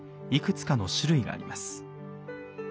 いくつかの種類があります。